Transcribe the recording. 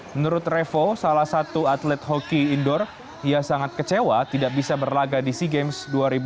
menurut revo salah satu atlet hoki indoor ia sangat kecewa tidak bisa berlaga di sea games dua ribu dua puluh